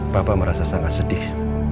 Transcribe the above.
papa merasa sangat sedih